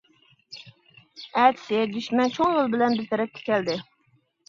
ئەتىسى دۈشمەن چوڭ يول بىلەن بىز تەرەپكە كەلدى.